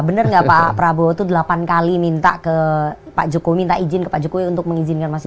benar nggak pak prabowo itu delapan kali minta ke pak jokowi minta izin ke pak jokowi untuk mengizinkan mas gibran